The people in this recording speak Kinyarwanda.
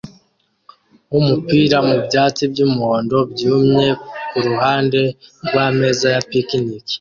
wumupira mubyatsi byumuhondo byumye kuruhande rwameza ya picnic